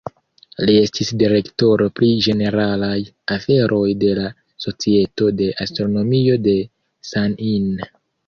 Li estis direktoro pri ĝeneralaj aferoj de la Societo de Astronomio de San-In.